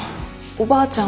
おばあちゃん。